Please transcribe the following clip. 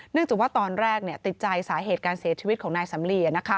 จากว่าตอนแรกติดใจสาเหตุการเสียชีวิตของนายสำลี